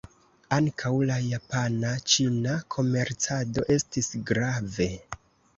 Ankaŭ la japana-ĉina komercado estis grave.